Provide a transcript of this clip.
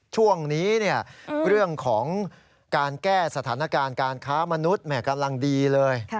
ช่วงนี้เรื่องของการแก้สถานการณ์การค้ามนุษย์กำลังดีเลย